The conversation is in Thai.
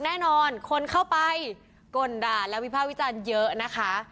แน่นอนคนเข้าไปกลด่าและวิภาควิจารณ์เยอะนะคะ